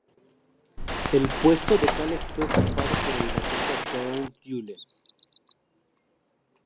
El puesto de Cale fue ocupado por el bajista Doug Yule.